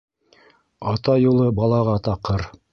Ата юлы балаға таҡыр.